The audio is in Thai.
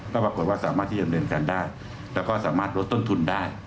ก็ปรากฏว่าสามารถที่จะดำเนินการได้แล้วก็สามารถลดต้นทุนได้